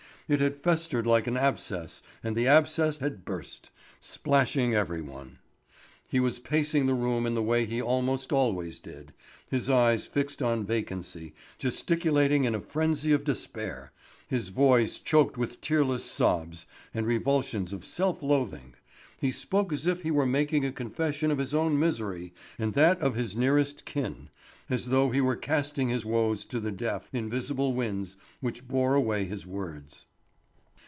It had festered like an abscess and the abscess had burst, splashing every one. He was pacing the room in the way he almost always did, his eyes fixed on vacancy, gesticulating in a frenzy of despair, his voice choked with tearless sobs and revulsions of self loathing; he spoke as if he were making a confession of his own misery and that of his nearest kin, as though he were casting his woes to the deaf, invisible winds which bore away his words.